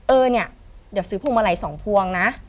เออเนี่ยเดี๋ยวซื้อพวงมาลัย๒พวงนะ